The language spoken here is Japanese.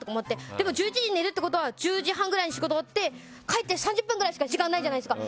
でも１１時に寝るってことは１０時半くらいに仕事終わって帰って３０分くらいしか時間ないじゃないですか。